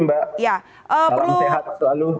terima kasih mbak salam sehat selalu